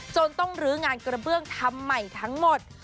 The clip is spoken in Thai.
จนต้องลื้องานกระเบื้องทำใหม่ทั้งหมด